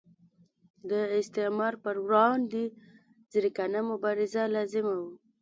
د استعمار پر وړاندې ځیرکانه مبارزه لامل و.